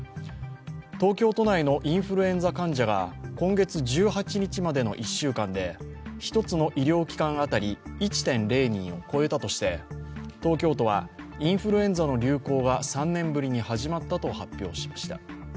東京都内のインフルエンザ患者が今月１８日までの１週間で一つの医療機関あたり、１．０人を超えたとして東京都は、インフルエンザの流行が３年ぶりに始まったと発表しました。